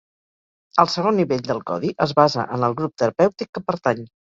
El segon nivell del codi es basa en el grup terapèutic que pertany.